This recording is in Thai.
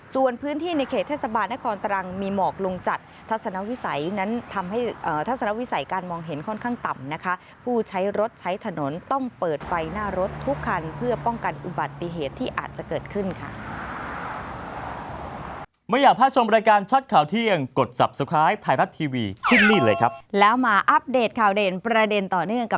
ส่วนพื้นที่ในเขตเทศบาลนครตรังมีหมอกลงจัดทัศนวิสัยนั้นทำให้ทัศนวิสัยการมองเห็นค่อนข้างต่ำนะคะผู้ใช้รถใช้ถนนต้องเปิดไฟหน้ารถทุกคันเพื่อป้องกันอุบัติเหตุที่อาจจะเกิดขึ้นค่ะ